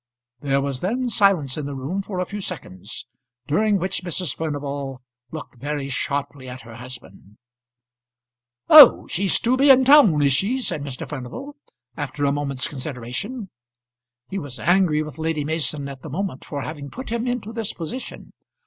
There was then silence in the room for a few seconds, during which Mrs. Furnival looked very sharply at her husband. "Oh! she's to be in town, is she?" said Mr. Furnival, after a moment's consideration. He was angry with Lady Mason at the moment for having put him into this position.